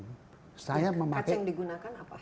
kaca yang digunakan apa